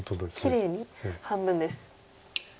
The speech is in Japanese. きれいに半分です。